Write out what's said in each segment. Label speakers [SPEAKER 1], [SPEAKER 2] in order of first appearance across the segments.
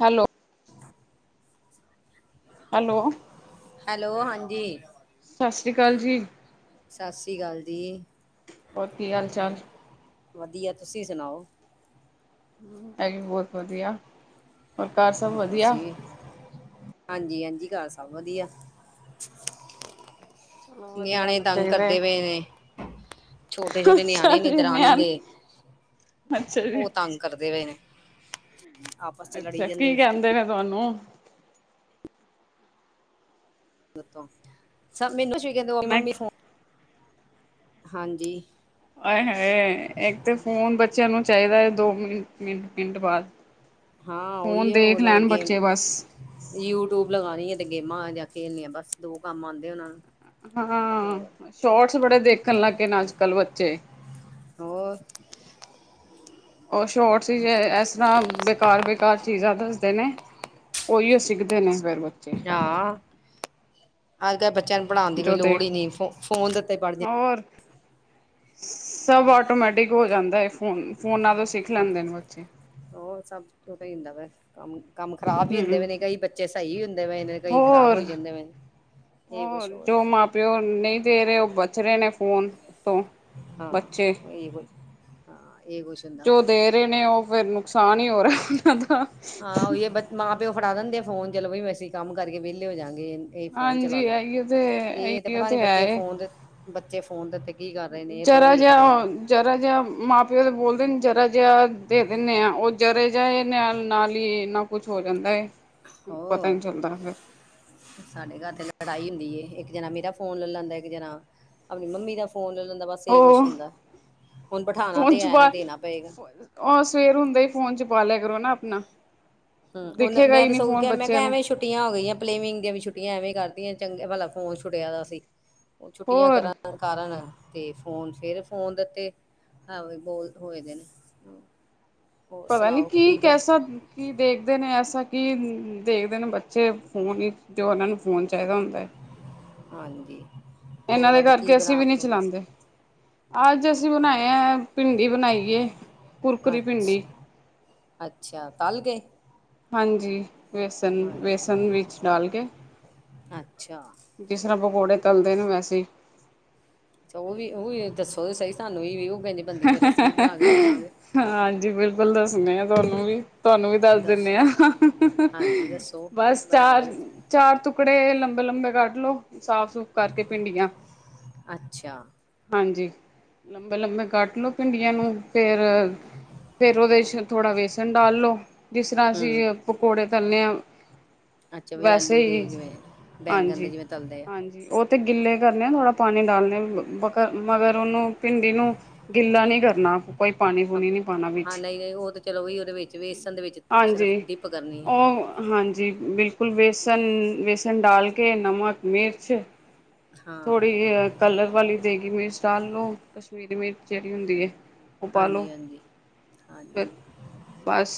[SPEAKER 1] Hello.
[SPEAKER 2] [inaudible]
[SPEAKER 1] Hello.
[SPEAKER 2] Hello, ਹਾਂਜੀ।
[SPEAKER 1] ਸਤਿ ਸ਼੍ਰੀ ਅਕਾਲ ਜੀ।
[SPEAKER 2] ਸਤਿ ਸ੍ਰੀ ਅਕਾਲ ਜੀ।
[SPEAKER 1] ਹੋਰ, ਕੀ ਹਾਲ-ਚਾਲ?
[SPEAKER 2] ਵਧੀਆ। ਤੁਸੀਂ ਸੁਣਾਓ?
[SPEAKER 1] ਇਹ ਵੀ ਬਹੁਤ ਵਧੀਆ। ਹੋਰ ਘਰ ਸਭ ਵਧੀਆ?
[SPEAKER 2] ਹਾਂਜੀ-ਹਾਂਜੀ, ਘਰ ਸਭ ਵਧੀਆ। [inaudible]
[SPEAKER 1] ਚਲੋ ਵਧੀਆ
[SPEAKER 2] ਨਿਆਣੇ
[SPEAKER 1] ਹੋਣਾ
[SPEAKER 2] ਤੰਗ
[SPEAKER 1] ਚਾਹੀਦਾ ਹੈ
[SPEAKER 2] ਕਰਦੇ ਪਏ ਨੇ, ਛੋਟੇ-ਛੋਟੇ
[SPEAKER 1] ਅੱਛਾ
[SPEAKER 2] ਨਿਆਣੇ ਨੇ
[SPEAKER 1] ਜੀ
[SPEAKER 2] ਦਰਾਣੀ
[SPEAKER 1] ਨਿਆਣੇ
[SPEAKER 2] ਦੇ।
[SPEAKER 1] ਅੱਛਾ ਜੀ
[SPEAKER 2] ਉਹ ਤੰਗ ਕਰਦੇ ਪਏ ਨੇ। ਆਪਸ ਚ ਲੜੀ
[SPEAKER 1] ਅੱਛਾ ਕੀ
[SPEAKER 2] ਜਾਂਦੇ ਫੋਨ
[SPEAKER 1] ਕੈੰਦੇ ਨੇ ਤੁਹਾਨੂੰ?
[SPEAKER 2] ਸਭ ਮੈਨੂੰ ਕਹਿੰਦੇ
[SPEAKER 1] ਮੈਂ
[SPEAKER 2] ਮੰਮੀ ਫੋ। [unintelligible] ਹਾਂਜੀ।
[SPEAKER 1] ਆਏ ਹਾਏ, ਇੱਕ ਤੇ ਫੋਨ ਬੱਚਿਆਂ ਨੂੰ ਚਾਹੀਦਾ ਹੈ ਦੋ ਮਿੰ ਮਿੰਟ ਮਿੰਟ ਬਾਅਦ।
[SPEAKER 2] ਹਾਂ ਉਹੀ
[SPEAKER 1] ਫੂਨ
[SPEAKER 2] ਹੈ
[SPEAKER 1] ਦੇਖ
[SPEAKER 2] ਉਹਨਾਂ ਨੇ
[SPEAKER 1] ਲੈਣ
[SPEAKER 2] ਗੇਮ
[SPEAKER 1] ਬੱਚੇ ਬਸ।
[SPEAKER 2] ਯੂਟਿਊਬ ਲਗਾਨੀ ਏ ਤੇ ਗੇਮਾਂ ਜਾਂ ਖੇਲਨੀਆਂ ਬਸ, ਦੋ ਕੰਮ ਆੰਦੇ ਉਹਨਾਂ ਨੂੰ। ਹੋਰ
[SPEAKER 1] ਹਾਂ, ਸ਼ੋਰਟਸ ਬੜੇ ਦੇਖਣ ਲੱਗ ਗਏ ਨੇ ਅੱਜ ਕੱਲ੍ਹ ਬੱਚੇ।
[SPEAKER 2] ਹੋਰ।
[SPEAKER 1] ਉਹ ਸ਼ੋਰਟਸ ਏਸ ਤਰ੍ਹਾਂ ਬੇਕਾਰ ਬੇਕਾਰ ਚੀਜ਼ਾਂ ਦੱਸਦੇ ਨੇ, ਉਹੀ ਸਿੱਖਦੇ ਨੇ ਫਿਰ ਬੱਚੇ।
[SPEAKER 2] ਹਾਂ ਅੱਜ ਕੱਲ ਬੱਚਿਆਂ ਨੂੰ ਪੜ੍ਹਾਨ ਦੀ ਕੋਈ
[SPEAKER 1] ਜੋ
[SPEAKER 2] ਲੋੜ
[SPEAKER 1] ਦੇਖ
[SPEAKER 2] ਈ ਨੀਂ ਫ ਫੋਨ ਦੇ ਉਤੇ ਪੜ੍ਹਦੀ
[SPEAKER 1] ਹੋਰ ਸਭ ਆਟੋਮੈਟਿਕ ਹੋ ਜਾਂਦੈ ਫੋਨ ਫੋਨਾਂ ਤੋਂ ਸਿੱਖ
[SPEAKER 2] ਜਾਂ
[SPEAKER 1] ਲੈਂਦੇਨ ਬੱਚੇ।
[SPEAKER 2] ਉਹ ਸਭ ਹੂੰਦਾ ਵੈ, ਕੰਮ ਕੰਮ ਖ਼ਰਾਬ ਈ ਹੁੰਦੇ ਪਏ
[SPEAKER 1] ਹੂੰ
[SPEAKER 2] ਨੇ ਕਈ ਬੱਚੇ ਸਹੀ ਵੀ ਹੁੰਦੇ ਪਏ ਨੇ ਕਈ ਖ਼ਰਾਬ ਹੋਈ ਜਾਂਦੇ ਪਏਨੇ।
[SPEAKER 1] ਹੋਰ ਜੋ ਮ ਪਿਓ ਨਹੀਂ ਦੇ ਰਹੇ ਉਹ ਬਚ ਰਹੇ ਨੇ ਫ਼ੋਨ ਤੋਂ, ਬੱਚੇ।
[SPEAKER 2] ਇਹੋ ਈ, ਹਾਂ ਇਹ ਕੁਛ ਹੁੰਦਾ
[SPEAKER 1] ਜੋ
[SPEAKER 2] ਪਿਆ।
[SPEAKER 1] ਦੇ ਨੇ ਉਹ ਫੇਰ ਨੁਕਸਾਨ ਹੀ ਹੋ ਰਹਾ ਉਹਨਾ ਦਾ।
[SPEAKER 2] ਮਾਂ-ਪਿਓ ਫੜਾ ਦਿੰਦੇ ਆ ਫੋਨ ਚਲੋ ਬਈ ਵੀ ਅਸੀਂ ਕੰਮ ਕਰਕੇ ਵਿਹਲੇ ਹੋ ਜਾਂਗੇ। ਇਹ ਫੋਨ ਚਲਾ
[SPEAKER 1] ਹਾਂਜੀ
[SPEAKER 2] ਲੈਣ,
[SPEAKER 1] ਇਹੀਓ ਤੇ
[SPEAKER 2] ਇਹ ਤੇ
[SPEAKER 1] ਇਹੀਓ
[SPEAKER 2] ਪਤਾ ਨੀ
[SPEAKER 1] ਹੈ
[SPEAKER 2] ਬੱਚੇ
[SPEAKER 1] ਏ।
[SPEAKER 2] ਫੋਨ ਦੇ ਬੱਚੇ ਫੋਨ ਦੇ ਉੱਤੇ। ਕੀ ਕਰ ਰਹੇ ਨੇ ਇਹ ਥੋੜਾ
[SPEAKER 1] ਜਰਾ
[SPEAKER 2] ਵੇਖ
[SPEAKER 1] ਜਿਆ
[SPEAKER 2] ਰਹੇ ਨੇ
[SPEAKER 1] ਹੋਨਨ ਜਰਾ ਜਿਆ ਮਾਂ ਪਿਓ ਦੇ ਬੋਲਦੇਨ ਜਰਾ ਜਿਆ ਦੇ ਦਿੰਨੇ ਆਂ, ਉਹ ਜਰਾ ਜਿਆ ਨਾਲ ਹੀ ਇਹਨਾ ਕੁਛ ਹੋ ਜਾਂਦਾ ਏ, ਪਤਾਈ
[SPEAKER 2] ਹੋਰ
[SPEAKER 1] ਨੀਂ ਚੱਲਦਾ ਫੇਰ।
[SPEAKER 2] ਸਾਡੇ ਘਰ ਤੇ ਲੜਾਈ ਹੁੰਦੀ ਏ ਇੱਕ ਜਣਾ ਮੇਰਾ ਫੋਨ ਲੈ ਲੈਂਦੈ, ਇੱਕ ਜਣਾ ਅਪਣੀ ਮੰਮੀ ਦਾ ਫੋਨ ਲੈ ਲੈਂਦਾ ਬਸ ਇਹ ਕੁਛ
[SPEAKER 1] ਉਹ
[SPEAKER 2] ਹੁੰਦਾ, ਹੁਣ ਬਿਠਾਣਾ
[SPEAKER 1] ਫੋਨ
[SPEAKER 2] ਤੇ
[SPEAKER 1] ਚ
[SPEAKER 2] ਐ ਨਾ
[SPEAKER 1] ਬਾਹਰ
[SPEAKER 2] ਦੇਣਾ ਪਏਗਾ।
[SPEAKER 1] ਉਹ ਸਵੇਰ ਹੁੰਦੇ ਈ ਫੋਨ ਚ ਪਾ ਲਿਆ ਕਰੋ ਨਾ ਅਪਨਾ।
[SPEAKER 2] ਹ ਉਹਨੇ ਮੈਂ ਤਾਂ ਸਗੋਂ ਕਿਐ ਮੈਂ
[SPEAKER 1] ਬੱਚਿਆਂ
[SPEAKER 2] ਕਿਐ
[SPEAKER 1] ਨੂੰ
[SPEAKER 2] ਐਵੇਂ ਛੁ ਛੁੱਟੀਆਂ ਹੋ ਗਈਆਂ ਪਲੇਵਿੰਗ ਦੀਆਂ ਵੀ ਛੁੱਟੀਆਂ ਐਵੇਂ ਈਂ ਕਰਤੀਂਆਂ ਚੰਗੇ ਭਲਾ ਫੋਨ ਛੁੱਟਿਆ ਦਾ ਸੀ। ਛੁੱਟੀਆਂ
[SPEAKER 1] ਹੋਰ
[SPEAKER 2] ਕਰਾਂ ਕਾਰਨ ਤੇ ਫੋਨ ਫਿਰ ਫੋਨ ਦਿੱਤੇ, ਹਾਂ ਬੋਲ ਹੋਏ ਦੇ ਨੇ। ਹੋਰ
[SPEAKER 1] ਪਤਾ ਨੀ
[SPEAKER 2] ਸੁਣਾਓ
[SPEAKER 1] ਕੀ
[SPEAKER 2] ਬ
[SPEAKER 1] ਕੈਸਾ ਕੀ ਦੇਖਦੇ ਨੇ ਐਸਾ ਕੀ ਦੇਖਦੇ ਨੇ ਬੱਚੇ ਫੋਨ ਜੋ ਉਹਨਾਂ ਨੂੰ ਫੋਨ ਚਾਈਦਾ ਹੁੰਦੈ।
[SPEAKER 2] ਹਾਂਜੀ।
[SPEAKER 1] ਏਂਨਾਂ
[SPEAKER 2] ਹੋਰ
[SPEAKER 1] ਦੇ
[SPEAKER 2] ਅੱਜ ਕੀ
[SPEAKER 1] ਕਰਕੇ ਅਸੀਂ
[SPEAKER 2] ਬਣਾ
[SPEAKER 1] ਵੀ ਨਹੀਂ
[SPEAKER 2] ਬਣੂ ਲਿਆ
[SPEAKER 1] ਚਲਾਂਦੇ। ਅੱਜ ਅਸੀਂ ਬਨਾਏ
[SPEAKER 2] ਹਾਂ
[SPEAKER 1] ਐ ਭਿੰਡੀ ਬਨਾਈਏ, ਕੁੁਰਕੁਰੀ ਭਿੰਡੀ।
[SPEAKER 2] ਅੱਛਾ ਅੱਛਾ, ਤਲਕੇ?
[SPEAKER 1] ਹਾਂਜੀ, ਵੇਸਨ
[SPEAKER 2] ਅੱਛ-
[SPEAKER 1] ਵੇਸਨ ਵਿੱਚ ਡਾਲ ਕੇ
[SPEAKER 2] ਅੱਛਾ।
[SPEAKER 1] ਜਿਸ ਰਾਂ ਪਕੋੜੇ ਤਲਦੇ ਨੇ ਵੈਸੇ ਈ।
[SPEAKER 2] ਅੱਛਾ ਓ ਵੀ ਓ ਵੀ ਦੱਸੋ ਸਹੀ ਸਾਨੂੰ ਹੀ ਵੀ ਉਹ ਕਹਿੰਦੀ ਬੰਦੀ ਫੇਰ ਅਸੀਂ ਵੀ ਬਣਾ ਕੇ ਵੇਖਾਂਗੇ।
[SPEAKER 1] ਹਾਂਜੀ, ਬਿਲਕੁਲ ਦੱਸਨੇ ਆ ਤੁਹਾਨੂੰ ਵੀ। ਤੁਆਂਨੂੰ ਵੀ ਦੱਸ ਦਿੰਨੇ ਆਂ,
[SPEAKER 2] ਹਾਂਜੀ ਦੱਸੋ
[SPEAKER 1] ਬਸ
[SPEAKER 2] ਬਣਾ ਕੇ
[SPEAKER 1] ਚਾਰ
[SPEAKER 2] ਵੇਖ
[SPEAKER 1] ਚਾਰ ਤੁਕੜੇ ਲੰਬੇ ਲੰਬੇ ਕੱਟ ਲੋ। ਸਾਫ ਸੁੂਫ਼ ਕਰਕੇ ਭਿੰਡੀਆਂ,
[SPEAKER 2] ਅੱਛਾ
[SPEAKER 1] ਹਾਂਜੀ। ਲੰਬੇ- ਲੰਬੇ ਕੱਟ ਲੋੋ ਭਿੰਡੀਆਂ ਨੂੰ। ਫੇਰ-ਫੇਰ ਉਹਦੇ ਚ ਥੋੜ੍ਹਾ ਵੇਸਣ ਡਾਲ ਲੋ, ਜਿਸ ਰ੍ਹਾਂ
[SPEAKER 2] ਹੂੰ,
[SPEAKER 1] ਅਸੀਂ ਪਕੋੜੇ ਤਲਨੇ ਆਂ,
[SPEAKER 2] ਅੱਛਾ ਵੀ
[SPEAKER 1] ਵੈਸੇ
[SPEAKER 2] ਆਲੂ ਦੇ
[SPEAKER 1] ਈ,
[SPEAKER 2] ਜਿਵੇਂ ਬੈਂਗਣ ਦੇ ਜਿਵੇਂ ਤਲਦੇ ਆ।
[SPEAKER 1] ਹਾਂਜੀ-ਹਾਂਜੀ। ਉਹ ਤੇ ਗਿੱਲੇ ਕਰਨੇ ਆਂ ਥੋੜਾ ਪਾਣੀ ਡਾਲਨੇ ਬਕਰ ਮਗਰ ਉਹਨੂੰ ਪਿੰਡ ਨੂੰ ਗਿੱਲਾ ਨੀ ਕਰਨਾ ਕੋਈ ਪਾਣੀ ਪੂਣੀ ਨੀ ਪਾਣਾ
[SPEAKER 2] ਹਾਂ
[SPEAKER 1] ਵਿੱਚ।
[SPEAKER 2] ਨਹੀਂ-ਨਹੀਂ ਉਹ ਤਾਂ ਚਲੋ ਵੀ ਉਹਦੇ ਵਿੱਚ ਵੇਸਣ ਦੇ ਵਿੱਚ ਸਿਰਫ
[SPEAKER 1] ਹਾਂਜੀ।
[SPEAKER 2] ਡਿਪ ਕਰਨੀ ਐ।
[SPEAKER 1] ਉਹ ਹਾਂਜੀ। ਬਿਲਕੁਲ ਬੇਸਣ ਬੇਸਣ ਡਾਲ ਕੇ ਨਮਕ ਮਿਰਚ
[SPEAKER 2] ਹਾਂ,
[SPEAKER 1] ਥੋੜ੍ਹੀ ਕਲਰ ਵਾਲੀ ਦੇਗੀ ਮਿਰਚ ਡਾਲ ਲੋੋ ਕਸ਼ਮੀਰੀ ਮਿਰਚ ਜਿਹੜੀ ਹੁੰਦੀ ਹੈ ਉਹ ਪਾਲੋ
[SPEAKER 2] ਹਾਂਜੀ-ਹਾਂਜੀ,
[SPEAKER 1] ਫ
[SPEAKER 2] ਹਾਂਜੀ,
[SPEAKER 1] ਬਸ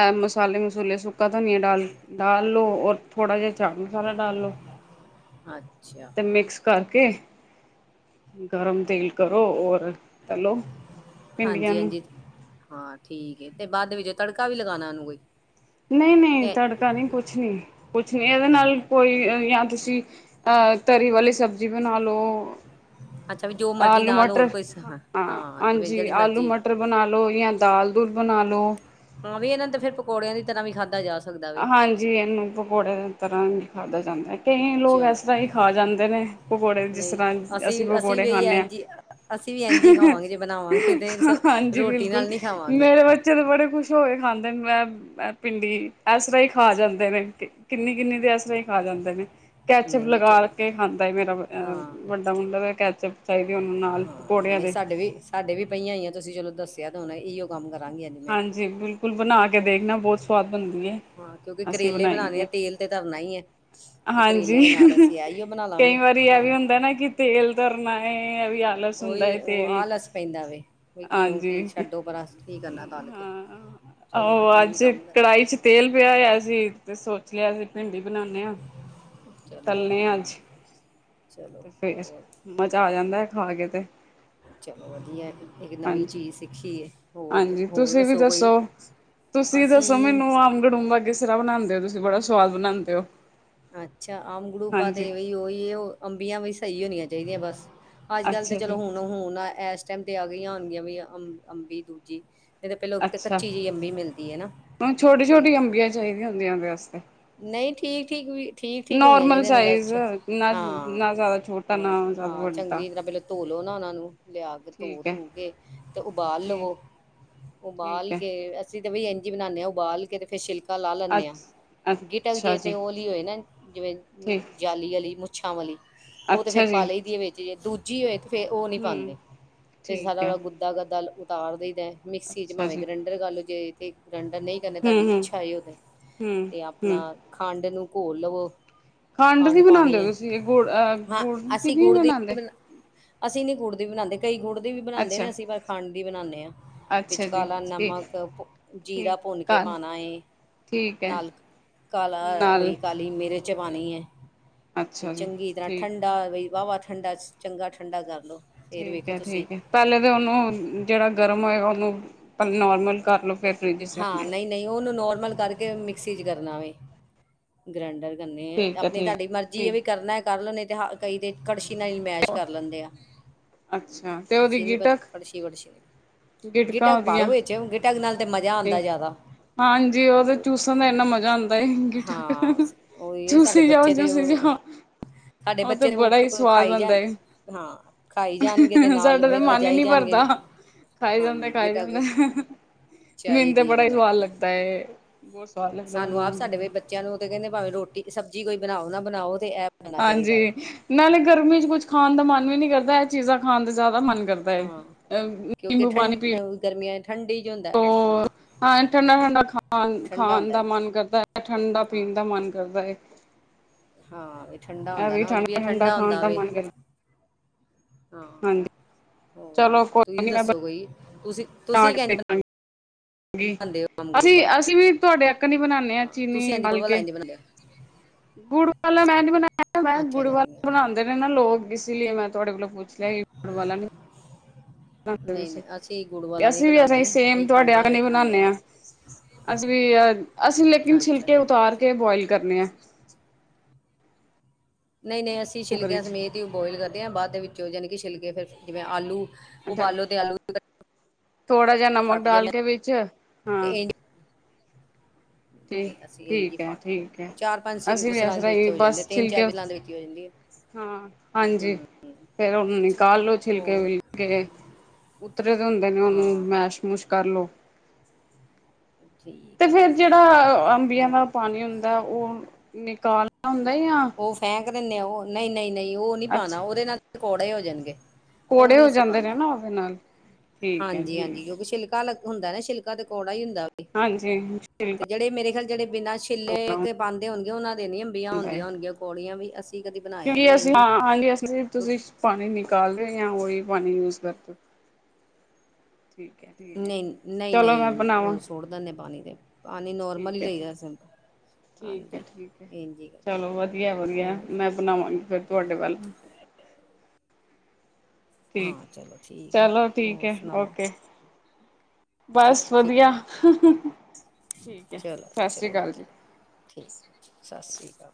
[SPEAKER 1] ਇਹ ਮਸਾਲੇ ਮਸੂਲੇ ਸੁੱਕਾ ਧਨੀਆਂ ਡਾਲ ਡਾਲ ਲ ਲੋ ਔਰ ਥੋੜਾ ਜਿਹਾ ਚਾ ਮਸਾਲਾ ਡਾਲ ਲੋੋ
[SPEAKER 2] ਹਾਂਜੀ ਅੱਛਾ।
[SPEAKER 1] ਤੇ ਮਿਕਸ ਕਰਕੇ ਗਰਮ ਤੇਲ ਕਰੋ ਔਰ ਤਲੋ ਭਿੰਡੀਆਂ
[SPEAKER 2] ਹਾਂਜੀ
[SPEAKER 1] ਨੂੰ
[SPEAKER 2] ਹਾਂਜੀ ਹਾਂ। ਠੀਕ ਏ ਤੇ ਬਾਅਦ ਦੇ ਵਿੱਚ ਤੜਕਾ ਵੀ ਲਗਾਉਣਾ ਉਹਨੂੰ ਕੋਈ
[SPEAKER 1] ਨਹੀਂ ਨਹੀਂ
[SPEAKER 2] ਕੇ
[SPEAKER 1] ਤੜਕਾ ਨਹੀਂ ਕੁਛ ਨਹੀਂ ਕੁਛ ਨਹੀਂ ਇਹਦੇ ਨਾਲ ਕੋਈ ਜਾਂ ਤੁਸੀਂ ਅਹ ਤਰੀ ਵਾਲੀ ਸਬਜ਼ੀ ਬਣਾ ਲਓ।
[SPEAKER 2] ਅ ਵੀ ਜੋ ਮਰਜ਼ੀ
[SPEAKER 1] ਆਲੂ
[SPEAKER 2] ਨਾਲ
[SPEAKER 1] ਮਟਰ
[SPEAKER 2] ਹੋਰ ਕੋਈ
[SPEAKER 1] ਹਾਂ
[SPEAKER 2] ਜਿਵੇਂ
[SPEAKER 1] ਹਾਂਜੀ।
[SPEAKER 2] ਜਿਹੜੀ
[SPEAKER 1] ਆਲੂ-
[SPEAKER 2] ਮਰਜ਼ੀ
[SPEAKER 1] ਮਟਰ ਬਣਾ ਲਓ ਜਾਂ ਦਾਲ ਦੁਲ ਬਣਾ ਲੋ।
[SPEAKER 2] ਹਾਂ ਵੀ ਇਹਨਾਂ ਤੇ ਫੇਰ ਪਕੌੜਿਆਂ ਦੀ ਤਰ੍ਹਾਂ ਵੀ ਖਾਧਾ ਜਾ ਸਕਦਾ ਵੇ
[SPEAKER 1] ਹਾਂਜੀ ਇਹਨੂੰ ਪਕੌੜੇ ਤਰ੍ਹਾਂ ਹੀ ਖਾਧਾ ਜਾਂਦਾ ਕਈ ਲੋਕ ਇਸ
[SPEAKER 2] ਚਲੋ
[SPEAKER 1] ਤਰ੍ਹਾਂ ਹੀ ਖਾ ਜਾਂਦੇ ਨੇ ਪਕੌੜੇ ਜਿਸ
[SPEAKER 2] ਨਹੀਂ
[SPEAKER 1] ਤਰ੍ਹਾਂ ਅਸੀਂ ਪਕੌੜੇ
[SPEAKER 2] ਵੀ
[SPEAKER 1] ਖਾਂਦੇ ਹਾਂ।
[SPEAKER 2] ਇੰਜ ਹੀ ਅਸੀਂ ਵੀ ਇੰਜ ਹੀ ਖਾਵਾਂਗੇ ਜੇ ਬਣਾਵਾਂਗੇ ਤੇ ਸ-
[SPEAKER 1] ਹਾਂਜੀ
[SPEAKER 2] ਰੋਟੀ
[SPEAKER 1] ਬਿਲਕੁੱਲ
[SPEAKER 2] ਨਾਲ ਨਹੀਂ ਖਾਵਾਂਗੇ
[SPEAKER 1] ਮੇਰੇ ਬੱਚੇ ਬੱਚੇ ਤਾਂ ਬੜੇ ਖੁਸ਼ ਹੋਕੇ ਖਾਂਦੇ ਇਹ ਭਿਂਡੀ ਇਸ ਤਰਾਂ ਹੀ ਖਾ ਜਾਂਦੇ ਨੇ ਕਿੰਨੀ ਕਿੰਨੀ ਦੇ ਇਸ ਤਰਾਂ ਹੀ ਖਾ ਜਾਂਦੇ ਨੇ ਕੈਚਅੱਪ
[SPEAKER 2] ਨਹੀਂ ਨਹੀਂ
[SPEAKER 1] ਲਗਾ
[SPEAKER 2] ਚਲੋ
[SPEAKER 1] ਕੇ ਖਾਂਦਾ ਮੇਰਾ
[SPEAKER 2] ਹਾਂ
[SPEAKER 1] ਵੱਡਾ ਮੁੰਡਾ ਹੈ ਕੈਚਅੱਪ
[SPEAKER 2] ਹਾਂ ਨਹੀਂ ਨਹੀਂ ਸਾਡੇ ਵੀ ਸਾਡੇ ਵੀ ਪਈਆਂ ਆਈਆਂ ਤੁਸੀਂ ਚਲੋ ਦੱਸਿਆ ਤੇ ਉਹਨ ਇਓ ਕੰਮ ਕਰਨਾ।
[SPEAKER 1] ਹਾਂਜੀ, ਬਿਲਕੁਲ ਬਣਾ ਕੇ ਦੇਖਣਾ ਬਹੁਤ ਸਵਾਦ ਬਣਦੀ ਐ।
[SPEAKER 2] ਹਾਂ ਕਿਉਂਕਿ ਕਰੇਲੇ ਬਣਾਉਣੇ ਆ ਤੇਲ ਤੇ ਧਰਨਾ ਹੈ ਤੇ ਕਰੇਲਿਆਂ ਦੇ
[SPEAKER 1] ਹਾਂਜੀ
[SPEAKER 2] ਨਾਲ ਅਸੀਂ ਐ ਈ ਔ
[SPEAKER 1] ਕਈ ਵਾਰੀ ਇਹ ਵੀ ਹੁੰਦਾ ਨਾ ਕਿ ਤੇਲ ਧ ਰਨਾ ਇਹ ਵੀ ਆ
[SPEAKER 2] ਉਹੀ ਉਹ ਆਲਸ ਪੈਂਦਾ ਵੈ ਕਿਉਂ ਕੀ
[SPEAKER 1] ਹਾਂਜੀ
[SPEAKER 2] ਛੱਡੋ ਪਰਾ ਕੀ ਕਰਨਾ ਤੱਲ ਕੇ
[SPEAKER 1] ਹਾਂ
[SPEAKER 2] ਚਲੋ ਅੱਜ
[SPEAKER 1] ਉਹ
[SPEAKER 2] ਇਹ ਵੀ ਕੰਮ ਕਰੇ
[SPEAKER 1] ਕੜਾਹੀ ਚ ਤੇਲ ਪਿਆ ਹੋਇਆ ਸੀ ਤੇ ਸੋਚ ਲਿਆ ਸੀ ਭਿੰਡੀ ਬਣਾਨੇ ਆ।
[SPEAKER 2] ਚਲੋ ਹਾਂ
[SPEAKER 1] ਅੱਜ ਤੇ
[SPEAKER 2] ਚਲੋ
[SPEAKER 1] ਫੇਰ
[SPEAKER 2] ਹੋਰ।
[SPEAKER 1] ਮਜ਼ਾ ਆ ਜਾਂਦਾ ਹੈ ਖਾ ਕੇ ਤੇ।
[SPEAKER 2] ਚਲੋ ਵਧੀਆ ਇੱਕ ਨਵੀਂ
[SPEAKER 1] ਹਾਂਜੀ
[SPEAKER 2] ਚੀਜ਼ ਸਿੱਖੀ ਏ।
[SPEAKER 1] ਹਾਂਜੀ ਤੁਸੀਂ ਵੀ ਦੱਸੋ? ਤੁਸੀਂ ਦੱਸੋ
[SPEAKER 2] ਅਸੀਂ
[SPEAKER 1] ਮੈਨੂੰ ਆਮਗੜੂੰਬਾ ਕਿਸ ਤਰ੍ਹਾਂ ਬਣਾਉਂਦੇ ਹੋ? ਤੁਸੀਂ ਬੜਾ ਸਵਾਦ ਬਣਾਉਂਦੇ ਹੋ।
[SPEAKER 2] ਅੱਛਾ ਆਮਗੜੂੰਬਾ ਤੇ
[SPEAKER 1] ਹਾਂਜੀ
[SPEAKER 2] ਇਹ ਉਹੀ ਉਹ ਅੰਬੀਆਂ ਵੀ ਸਹੀ ਹੋਣੀਆਂ ਚਾਹੀਦੀਆਂ ਬੱਸ ਅੱਜ ਕੱਲ੍ਹ ਤਾਂ
[SPEAKER 1] ਅੱਛਾ
[SPEAKER 2] ਚਲੋ
[SPEAKER 1] ਜੀ
[SPEAKER 2] ਹੁਣ ਹੁਣ ਇਸ ਟਾਈਮ ਤੇ ਆ ਗਈਆਂ ਹੋਣਗੀਆਂ ਵੀ ਅੰਬੀ ਦੂਜੀ ਇਹ ਤਾਂ ਪਹਿਲਾਂ ਤਾਂ
[SPEAKER 1] ਅੱਛਾ
[SPEAKER 2] ਕੱਚੀ ਜਿਹੀ ਅੰਬੀ ਮਿਲਦੀ ਹੈ
[SPEAKER 1] ਮੈਨੂੰ ਛੋਟੀ
[SPEAKER 2] ਤੇ
[SPEAKER 1] ਛੋਟੀ ਅੰਬੀਆਂ ਚਾਹੀਦੀਆਂ ਹੁੰਦੀਆਂ ਉਹਦੇ ਵਾਸਤੇ
[SPEAKER 2] ਨਹੀਂ ਠੀਕ ਠੀਕ ਵੀ ਠੀਕ ਠੀਕ ਹੋਣੀਆਂ
[SPEAKER 1] ਨੋਰਮਲ
[SPEAKER 2] ਚਾਹੀਦੀਆਂ ਨਜ਼ਰ
[SPEAKER 1] ਸਾਈਜ਼
[SPEAKER 2] ਚੱ
[SPEAKER 1] ਨਾ
[SPEAKER 2] ਹਾਂ
[SPEAKER 1] ਨਾ ਜ਼ਿਆਦਾ ਛੋਟਾ ਨਾ
[SPEAKER 2] ਉਹੀ
[SPEAKER 1] ਜ਼ਿਆਦਾ
[SPEAKER 2] ਹਾਂ
[SPEAKER 1] ਵੱਡਾ
[SPEAKER 2] ਚੰਗੀ ਤਰ੍ਹਾਂ ਪਹਿਲਾਂ ਧੋਲੋ ਨਾ ਉਹਨਾਂ ਨੂੰ ਲਿਆ ਕੇ ਧੋ
[SPEAKER 1] ਠੀਕ ਹੈ
[SPEAKER 2] ਧੂ ਕੇ ਤੇ ਉਬਾਲ
[SPEAKER 1] ਠੀਕ
[SPEAKER 2] ਲਵੋ
[SPEAKER 1] ਠੀਕ
[SPEAKER 2] ਉਬਾਲ
[SPEAKER 1] ਹੈ
[SPEAKER 2] ਕੇ ਅਸੀਂ ਬਈ ਇੰਝੀ ਬਣਾਉਦੇ ਹਾਂ ਉਬਾਲ ਕੇ ਤੇ ਫਿਰ ਛਿਲਕਾ ਲਾ
[SPEAKER 1] ਅੱ
[SPEAKER 2] ਲੈਂਦੇ ਹਾਂ ਗੀਟਕ
[SPEAKER 1] ਅੱਛਾ
[SPEAKER 2] ਜੇਤੇ
[SPEAKER 1] ਜੀ
[SPEAKER 2] ਉਹ ਵਾਲੀ ਹੋਏ ਨਾ ਜਿਵੇਂ
[SPEAKER 1] ਠੀਕ
[SPEAKER 2] ਜਾਲੀ ਵਾਲੀ ਮੁੱਛਾ ਵਾਲੀ ਉਹ ਤੇ
[SPEAKER 1] ਅੱਛਾ
[SPEAKER 2] ਫਿਰ
[SPEAKER 1] ਜੀ
[SPEAKER 2] ਪਾ ਲਈ ਦੀ ਹੈ ਵਿੱਚ ਜ ਦੂਜੀ ਹੋਏ ਤੇ ਫ਼ਿਰ ਉਹ ਨਹੀਂ
[SPEAKER 1] ਹਮ
[SPEAKER 2] ਪਾਉਂਦੇ ਫਿਰ
[SPEAKER 1] ਠੀਕ
[SPEAKER 2] ਸਾਰਾ
[SPEAKER 1] ਹੈ
[SPEAKER 2] ਉਹ ਗੁੱਦਾ ਗੁੱਦਾ ਗੱਦਲ ਉਤਾਰ ਦੇਈਦਾ ਮਿਕਸੀ ਚ
[SPEAKER 1] ਅੱਛਾ
[SPEAKER 2] ਭਾਵੇਂ
[SPEAKER 1] ਜੀ
[SPEAKER 2] ਗਰੈਂਡਰ ਕਰ ਲਓ ਜੇ ਇਥੇ ਗਰੈਂਡਰ ਨਹੀਂ ਕਹਿੰਦੇ ਤੁਹਾਡੀ
[SPEAKER 1] ਹਮ ਹਮ
[SPEAKER 2] ਇੱਛਾ ਉਹਦੇ
[SPEAKER 1] ਹਮ
[SPEAKER 2] ਤੇ
[SPEAKER 1] ਹਮ
[SPEAKER 2] ਆਪਣਾ ਖੰਡ ਨੂੰ ਘੋਲ ਲਵੋ। ਖੰਡ
[SPEAKER 1] ਦੀ ਬਣਾਉਂਦੇ
[SPEAKER 2] ਪਾਉਣੀ
[SPEAKER 1] ਹੋ
[SPEAKER 2] ਹੈ
[SPEAKER 1] ਤੁਸੀਂ ਗੁੜ ਅ
[SPEAKER 2] ਹਾਂ
[SPEAKER 1] ਗੁੜ ਦੀ
[SPEAKER 2] ਅਸੀਂ
[SPEAKER 1] ਨਹੀਂ
[SPEAKER 2] ਗੁੜ ਦੀ
[SPEAKER 1] ਬਣਾਉਂਦੇ
[SPEAKER 2] ਅਸੀਂ ਨੀ ਗੁੜ ਦੀ ਵੀ ਬਣਾਉਂਦੇ ਕਈ ਗੁੜ ਦੀ ਵੀ ਬਣਾਦੇ ਨੇ
[SPEAKER 1] ਅੱਛਾ
[SPEAKER 2] ਅਸੀਂ ਪਰ ਖੰਡ ਦੀ ਬਣਾਉਂਦੇ ਹਾਂ। ਵਿਚ
[SPEAKER 1] ਅੱਛਾ ਜੀ
[SPEAKER 2] ਕਾਲਾ
[SPEAKER 1] ਠੀਕ
[SPEAKER 2] ਨਮਕ ਜ਼ੀਰਾ
[SPEAKER 1] ਠੀਕ
[SPEAKER 2] ਭੁੰਨ ਕੇ
[SPEAKER 1] ਕੱਲ
[SPEAKER 2] ਪਾਉਣਾ ਏ
[SPEAKER 1] ਠੀਕ ਹੈ
[SPEAKER 2] ਨਾਲ ਕਾਲਾ
[SPEAKER 1] ਨਾਲ
[SPEAKER 2] ਹੋਈ ਕਾਲੀ ਮਿਰਚ ਮਿਰਚ ਪਾਣੀ ਹੈ ਤੇ
[SPEAKER 1] ਅੱਛਾ ਜੀ
[SPEAKER 2] ਚੰਗੀ ਤਰ੍ਹਾਂ ਠੰਢ
[SPEAKER 1] ਠੀਕ
[SPEAKER 2] ਠੰਡਾ ਬਈ ਵਾਹਵਾ ਠੰਡਾ ਚੰਗਾ ਠੰਡਾ ਕਰ ਲੋ
[SPEAKER 1] ਠੀਕ ਹੈ ਠੀਕ ਹੈ ਪਹਿਲੇ ਤਾਂ ਉਹਨੂੰ ਜਿਹੜਾ ਗਰਮ ਹੋਏਗਾ ਉਹਨੂੰ ਨੋਰਮਲ ਕਰ ਲਓ ਫਿਰ ਫਰਿੱਜ 'ਚ
[SPEAKER 2] ਹਾਂ
[SPEAKER 1] ਰੱਖਣਾ
[SPEAKER 2] ਨਹੀਂ ਨਹੀਂ ਉਹਨੂੰ ਨੋਰਮਲ ਕਰਕੇ ਮਿਕਸੀ ਚ ਕਰਨਾ ਵੇ ਗ੍ਰੈਂਡਰ ਕਰਨੇ
[SPEAKER 1] ਠੀਕ ਹੈ
[SPEAKER 2] ਆਪਣੀ
[SPEAKER 1] ਠੀਕ
[SPEAKER 2] ਤੁਹਾਡੀ ਮਰਜ਼ੀ ਇਹ
[SPEAKER 1] ਠੀਕ
[SPEAKER 2] ਵੀ ਕਰਨਾ ਕਰ ਲੇ ਤੇ ਕਈ ਤੇ ਕੜੱਛੀ ਨਾਲ ਹੀ ਮੈਸ਼ ਕਰ ਲੈਂਦੇ ਆ
[SPEAKER 1] ਅੱਛਾ ਤੇ ਉਹਦੀ
[SPEAKER 2] ਅਸੀਂ ਨੀ ਪਰ
[SPEAKER 1] ਗਿਟਕ
[SPEAKER 2] ਕੜੱਛੀ
[SPEAKER 1] ਗਿਟਕਾਂ
[SPEAKER 2] ਗੀਟਕ ਪਾ ਲਓ
[SPEAKER 1] ਉਹਦੀਆਂ
[SPEAKER 2] ਵਿੱਚ ਗੀਟਕ ਨਾਲ ਤੇ ਮਜ਼ਾ
[SPEAKER 1] ਤੇ
[SPEAKER 2] ਆਉਂਦਾ ਜ਼ਿਆਦਾ
[SPEAKER 1] ਹਾਂਜੀ ਉਹ ਤਾਂ
[SPEAKER 2] ਕਿਉਂ
[SPEAKER 1] ਚੂਸਣ ਦਾ ਇੰਨਾ ਮਜ਼ਾ ਆਉਂਦਾ ਹੇਗਾ ਗਿਟਕ
[SPEAKER 2] ਹਾਂ
[SPEAKER 1] ਨੂੰ
[SPEAKER 2] ਉਹੀ ਹੈ ਸਾਡੇ
[SPEAKER 1] ਚੂਸੀ ਜਾਓ
[SPEAKER 2] ਬੱਚੇ ਤੇ
[SPEAKER 1] ਚੂਸੀ
[SPEAKER 2] ਉਹ
[SPEAKER 1] ਜਾਓ
[SPEAKER 2] ਸਾਡੇ
[SPEAKER 1] [unintelligible] ਉਹ ਤੇ
[SPEAKER 2] ਬੱਚੇ
[SPEAKER 1] ਬੜਾ ਹੀ ਸਵਾਦ
[SPEAKER 2] ਖਾਈ
[SPEAKER 1] ਬਣਦਾ
[SPEAKER 2] ਜਾਣ
[SPEAKER 1] ਏ
[SPEAKER 2] ਹਾਂ ਖਾਈ ਜਾਣਗੇ ਨਾਲ
[SPEAKER 1] ਸਾਡਾ ਤੇ
[SPEAKER 2] ਫਿਰ
[SPEAKER 1] ਮਨ ਹੀ
[SPEAKER 2] ਲਿਜਾਈ
[SPEAKER 1] ਨੀ
[SPEAKER 2] ਜਾਣਗੇ
[SPEAKER 1] ਭਰਦਾ ਖਾਈ ਜਾਂਦੇ
[SPEAKER 2] ਹਾਂਜੀ
[SPEAKER 1] ਖਾਈ
[SPEAKER 2] ਗਿਟਕ
[SPEAKER 1] ਜਾਂਦੇ ਮੈਨੂੰ ਤੇ
[SPEAKER 2] ਚਾਹੀਦੀ ਹੈ
[SPEAKER 1] ਬੜਾ ਹੀ ਸਵਾਦ ਲੱਗਦਾ ਹੈ। ਬਹੁਤ ਸਵਾਦ ਲੱਗਦਾ
[SPEAKER 2] ਸਾਨੂੰ ਆਪ ਸਾਡੇ
[SPEAKER 1] ਮੈਨੂੰ
[SPEAKER 2] ਵ ਬੱਚਿਆਂ ਨੂੰ ਤੇ ਕਹਿੰਦੇ ਭਾਵੇਂ ਰੋਟੀ ਸਬਜ਼ੀ ਕੋਈ ਬਣਾਓ ਨਾ ਬਣਾਓ ਤੇ ਐ
[SPEAKER 1] ਹਾਂਜੀ ਨਾਲੇ ਗਰਮੀ ਚ ਕੁਛ ਖਾਣ ਦਾ ਮਨ ਵੀ ਨਹੀਂ ਕਰਦਾ ਇਹ ਚੀਜ਼ਾਂ ਖਾਣ ਦਾ ਜ਼ਿਆਦਾ ਮਨ ਕਰਦਾ ਹੈ
[SPEAKER 2] ਹਾਂ ਕਿਉਂਕਿ
[SPEAKER 1] ਨਿੰਬੂ
[SPEAKER 2] ਠੰ
[SPEAKER 1] ਪਾਣੀ ਪੀ
[SPEAKER 2] ਗਰਮੀਆਂ ਠੰਢੀ ਚ ਹੁੰਦਾ ਹੈ
[SPEAKER 1] ਲਓ
[SPEAKER 2] ਹਾਂ
[SPEAKER 1] ਹਾਂ ਠੰਡਾ ਠੰਡਾ
[SPEAKER 2] ਹਾਂ ਠੰਡਾ
[SPEAKER 1] ਖਾਣ
[SPEAKER 2] ਹੁੰਦਾ
[SPEAKER 1] ਦਾ
[SPEAKER 2] ਨਾ,
[SPEAKER 1] ਮਨ ਕਰਦਾ ਹੈ ਠੰਡਾ
[SPEAKER 2] ਹਾਂ
[SPEAKER 1] ਪੀਣ ਦਾ ਮਨ ਕਰਦਾ ਹੈ। [inaudible]
[SPEAKER 2] ਹਾਂ ਇਹ ਠੰਡਾ ਹੁੰਦਾ ਨਾ ਉਂਜ ਵੀ ਇਹ ਠੰਡਾ ਹੁੰਦਾ ਵੇ ਹਾਂ
[SPEAKER 1] ਹਾਂਜੀ
[SPEAKER 2] ਹੋਰ ਤੁਸੀ ਦੱਸੋ ਕੋਈ ਤੁਸੀਂ
[SPEAKER 1] ਤਾਂ
[SPEAKER 2] ਕਿੰਝ
[SPEAKER 1] ਕਿ ਹਾਂ
[SPEAKER 2] ਬਣਾਉਂਦੇ ਹੋ ਆਮ
[SPEAKER 1] ਅਸੀਂ
[SPEAKER 2] ਗੜੂਬਾ
[SPEAKER 1] ਅਸੀਂ ਵੀ ਤੁਹਾਡੇ ਅੱਕ ਨ ਹੀ ਬਣਾਦੇ ਹਾਂ
[SPEAKER 2] ਤੁਸੀਂ
[SPEAKER 1] ਚੀਨੀ
[SPEAKER 2] ਇੰਝ ਗੁੜ
[SPEAKER 1] ਮਲ
[SPEAKER 2] ਵਾਲਾ
[SPEAKER 1] ਕੇ
[SPEAKER 2] ਇੰਝ ਬਣਾਉਂਦੇ ਹੋ।
[SPEAKER 1] ਗੁੜ ਵਾਲਾ ਮੈਂ ਨੀ ਬਣਾਇਆ ਮੈਂ
[SPEAKER 2] ਅੱਛਾ
[SPEAKER 1] ਗੁੜ ਵਾਲਾ
[SPEAKER 2] ਜਾਣੀ ਹਾਂ।
[SPEAKER 1] ਬਣਾਉਂਦੇ ਨੇ ਨਾ ਲੋਕ ਇਸ ਲਈ ਮੈਂ ਤੁਹਾਡੇ ਕੋਲੋਂ ਪੁੱਛ ਲਿਆ ਸੀ ਵਾਲਾ ਨੂੰ
[SPEAKER 2] ਨਹੀਂ ਨਹੀਂ ਅਸੀਂ ਗੁੜ ਵਾਲਾ ਨਹੀਂ
[SPEAKER 1] ਅਸੀਂ ਵੀ ਅਸੀ
[SPEAKER 2] ਬਣਾਉਂਦੇ
[SPEAKER 1] ਸੇਮ
[SPEAKER 2] ਅਸੀਂ
[SPEAKER 1] ਤੁਹਾਡੇ
[SPEAKER 2] ਖੰਡ ਵਾਲਾ ਹੀ
[SPEAKER 1] ਅੰਗਨ
[SPEAKER 2] ਬਣਾਉਂਦੇ
[SPEAKER 1] ਬਣਾਉਦੇ ਹਾਂ ਅਸੀਂ ਵੀ ਅਸੀਂ ਲੇਕਿਨ
[SPEAKER 2] ਅੱਛਾ
[SPEAKER 1] ਛਿਲਕੇ
[SPEAKER 2] ਚਲੋ
[SPEAKER 1] ਉਤਾਰ
[SPEAKER 2] ਵਧੀਆ।
[SPEAKER 1] ਕੇ ਬੁਆਇਲ ਕਰਨੇ ਆਂ
[SPEAKER 2] ਨਹੀਂ ਨਹੀਂ ਅਸੀਂ
[SPEAKER 1] ਕੁੱਕਰ
[SPEAKER 2] ਛਿਲਕਿਆਂ
[SPEAKER 1] ਵਿੱਚ।
[SPEAKER 2] ਸਮੇਤ ਹੀ ਉਹ ਬੋਆਇਲ ਕਰਦੇ ਹਾਂ ਬਾਅਦ ਦੇ ਵਿੱਚੋਂ ਜਾਣੀ ਕਿ ਛਿਲਕੇ ਫਿਰ ਜਿਵੇਂ ਆਲੂ ਉਬਾਲੋ ਤੇ ਆਲੂ
[SPEAKER 1] ਥੋੜ੍ਹਾ ਜਿਹਾ ਨਮਕ
[SPEAKER 2] ਫਟ
[SPEAKER 1] ਡਾਲ
[SPEAKER 2] ਜਾਂਦੇ
[SPEAKER 1] ਕੇ ਵਿੱਚ
[SPEAKER 2] ਨੇ ਤੇ
[SPEAKER 1] ਹਾਂ
[SPEAKER 2] ਇੰਝ ਤੇ ਅਸੀਂ ਇੰਝ ਹੀ
[SPEAKER 1] ਠੀਕ ਹੈ
[SPEAKER 2] ਫਟ
[SPEAKER 1] ਠੀਕ ਹੈ
[SPEAKER 2] ਚਾਰ ਪੰਜ
[SPEAKER 1] ਅਸੀਂ ਵੀ ਇਸ
[SPEAKER 2] ਵਿਸਲਾਂ ਦੇ
[SPEAKER 1] ਤਰ੍ਹਾਂ
[SPEAKER 2] ਵਿੱਚ
[SPEAKER 1] ਹੀ
[SPEAKER 2] ਹੋ
[SPEAKER 1] ਬੱਸ
[SPEAKER 2] ਜਾਂਦੇ ਤਿੰਨ
[SPEAKER 1] ਛਿਲਕੇ
[SPEAKER 2] ਚਾਰ ਵਿਸਲਾਂ ਦੇ ਵਿੱਚ ਹੀ ਹੋ ਜਾਂਦੀ ਹੈ।
[SPEAKER 1] ਹਾਂ ਹਾਂਜੀ
[SPEAKER 2] ਹੂੰ
[SPEAKER 1] ਫਿਰ ਉਹਨੂੰ ਨਿਕਾਲ
[SPEAKER 2] ਅੱਛਾ
[SPEAKER 1] ਲੋ ਛਿਲਕੇ
[SPEAKER 2] ਹੋਰ
[SPEAKER 1] ਵੀ ਉਤਰੇ ਦੇ ਹੁੰਦੇ ਨੇ ਉਹਨੂੰ
[SPEAKER 2] ਹਾਂ
[SPEAKER 1] ਮੈਸ਼ ਮੂਸ਼ ਕਰ ਲਓ
[SPEAKER 2] ਠੀਕ
[SPEAKER 1] ਤੇ
[SPEAKER 2] ਹੈ
[SPEAKER 1] ਫੇਰ ਜਿਹੜਾ ਅੰਬੀਆਂ
[SPEAKER 2] ਹੋਰ
[SPEAKER 1] ਦਾ ਪਾਣੀ ਹੁੰਦਾ ਉਹ ਨਿਕਾਲਣਾ ਹੁੰਦਾ ਜਾਂ
[SPEAKER 2] ਉਹ ਫੇਕ ਦਿੰਦੇੇ ਆ ਉਹ ਨਹੀਂ ਨਹੀਂ ਨਹੀਂ ਉਹ ਨਹੀਂ ਪਾਉਣਾ
[SPEAKER 1] ਅੱਛਾ
[SPEAKER 2] ਉਹਦੇ ਨਾਲ ਕੌੜੇ ਹੋ ਜਾਣਗੇ ਉਹ
[SPEAKER 1] ਕੋੜੇ
[SPEAKER 2] ਨਹੀਂ
[SPEAKER 1] ਹੋ
[SPEAKER 2] ਅਸੀਂ
[SPEAKER 1] ਜਾਂਦੇ ਨੇ
[SPEAKER 2] ਪਾਉਂਦੇ
[SPEAKER 1] ਨਾ ਉਹਦੇ ਨਾਲ ਠੀਕ ਹੈ
[SPEAKER 2] ਹਾਂਜੀ
[SPEAKER 1] ਠੀਕ
[SPEAKER 2] ਹਾਂਜੀ
[SPEAKER 1] ਹੈ
[SPEAKER 2] ਕਿਉਂਕਿ ਸ਼ਿਲਕਾ ਲ ਹੁੰਦਾ ਨਾ ਸ਼ਿਲਕਾ ਤੇ ਕੌੜਾ ਹੀ ਹੁੰਦਾ ਵੀ
[SPEAKER 1] ਹਾਂਜੀ ਠੀਕ ਆ
[SPEAKER 2] ਤੇ ਜਿਹੜੇ ਮੇਰੇ ਖਿਆਲ ਜਿਹੜੇ ਬਿਨਾਂ ਛਿੱਲੇ ਕ ਬੰਣਦੇ ਹੁਣਦੇ ਉਹਨਾਂ ਦੇ ਨਈ ਬੀਆਂ
[SPEAKER 1] ਹੁੰਦਾ ਹੈ
[SPEAKER 2] ਹੁੰਦੀਆਂ ਹੋਣਗੀਆਂ ਕੌੜੀਆਂ ਵੀ ਅਸੀਂ ਕਦੀ ਬਣਾਇਆ
[SPEAKER 1] ਕਿਉਂਕਿ
[SPEAKER 2] ਨੀ
[SPEAKER 1] ਅਸੀਂ
[SPEAKER 2] ਇੰਜ
[SPEAKER 1] ਕਲ ਆਉ ਈ ਉਈ ਪਾਣੀ ਯੂਜ ਕਰਦੇ ਠੀਕ ਹੈ। ਠੀਕ ਹੈ
[SPEAKER 2] ਨਹੀਂ ਨਹੀਂ
[SPEAKER 1] ਚਲੋ ਮੈਂ ਬਣਾਵਾਂ
[SPEAKER 2] ਨਹੀਂ ਸੁਟ ਦਿੰਦੇ ਪਾਣੀ ਤੇ ਪਾਣੀ ਨੋਰਮਲ ਹੀ
[SPEAKER 1] ਠੀਕ ਹੈ
[SPEAKER 2] ਲਈਦਾ ਅਸੀਂ
[SPEAKER 1] ਠੀਕ ਹੈ ਠੀਕ ਹੈ ਚਲੋ ਵਧੀਆ ਵਧੀਆ
[SPEAKER 2] ਹੋਰ
[SPEAKER 1] ਮੈਂ ਬਣਾਵਾਂਗੀ ਫਿਰ ਤੁਹਾਡੇ ਵੱਲ ਠੀਕ
[SPEAKER 2] ਹਾਂ ਚਲੋ ਠੀਕ ਹੈ
[SPEAKER 1] ਚਲੋ ਠੀਕ
[SPEAKER 2] ਹੋਰ
[SPEAKER 1] ਹੈ
[SPEAKER 2] ਸੁਣਾਓ
[SPEAKER 1] ਓਕੇ ਬਸ
[SPEAKER 2] ਠੀਕ ਠੀਕ ਹੈ
[SPEAKER 1] ਵਧੀਆ
[SPEAKER 2] ਬਾਏ
[SPEAKER 1] ਸਤਿ
[SPEAKER 2] ਚਲੋ
[SPEAKER 1] ਸ੍ਰੀ
[SPEAKER 2] ਚਲੋ
[SPEAKER 1] ਅਕਾਲ ਜੀ
[SPEAKER 2] ਵਧੀਆ ਠੀਕ ਸਤਿ ਸ਼੍ਰੀ ਅਕਾਲ